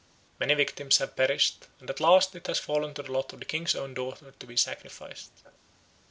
Many victims have perished, and at last it has fallen to the lot of the king's own daughter to be sacrificed.